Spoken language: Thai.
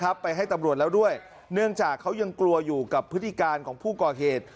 ไปให้ตำรวจแล้วด้วยเนื่องจากเขายังกลัวอยู่กับพฤติการของผู้ก่อเหตุ